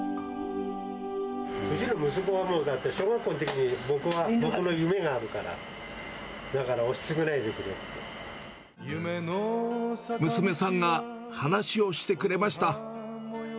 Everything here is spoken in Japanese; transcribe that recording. うちの息子はだってもう、小学校のときに、僕は僕の夢があるから、だから押し付けないでく娘さんが話をしてくれました。